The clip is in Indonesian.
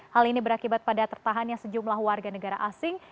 hal ini berakibat pada tertahannya sejumlah warga negara asing